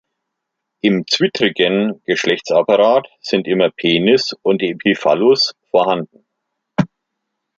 Im zwittrigen Geschlechtsapparat sind immer Penis und Epiphallus vorhanden.